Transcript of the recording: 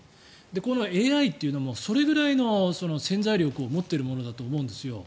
このＡＩというのもそれぐらいの潜在力を持っているものだと思うんですよ。